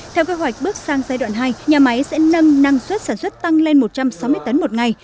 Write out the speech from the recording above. theo kế hoạch bước sang giai đoạn hai nhà máy sẽ nâng năng suất sản xuất tăng lên một trăm sáu mươi tấn một ngày